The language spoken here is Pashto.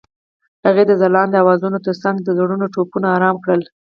هغې د ځلانده اوازونو ترڅنګ د زړونو ټپونه آرام کړل.